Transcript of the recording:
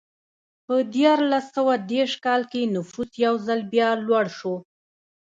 په دیارلس سوه دېرش کال کې نفوس یو ځل بیا لوړ شو.